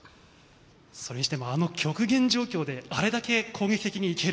それにしても、あの極限状況であれだけ攻撃的にいける。